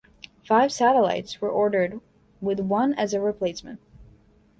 Five satellites were ordered, with one as a replacement.